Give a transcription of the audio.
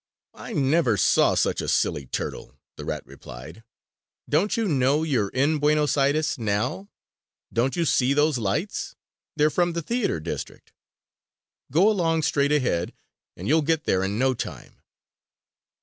"I never saw such a silly turtle!" the rat replied. "Don't you know you're in Buenos Aires now? Don't you see those lights? They're from the theater district. Go along straight ahead; and you'll get there in no time!"